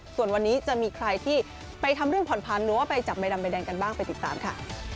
ส่วนวันนี้จะมีใครที่ไปทำเรื่องผ่อนพันธ์หรือว่าไปจับใบดำใบแดงกันบ้างไปติดตามค่ะ